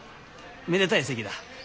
めでたい席だ。